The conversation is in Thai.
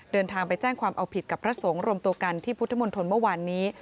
เดินทางไปแจ้งความเอาผิดกับพระสงฆ์รวมตัวกันที่พุทธมนตรเมื่อวานนี้